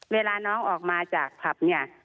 เวลาน้องออกมาจากผับเนี่ย